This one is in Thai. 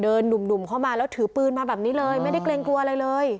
หนุ่มเข้ามาแล้วถือปืนมาแบบนี้เลยไม่ได้เกรงกลัวอะไรเลย